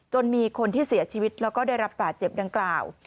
มีคนที่เสียชีวิตแล้วก็ได้รับบาดเจ็บดังกล่าว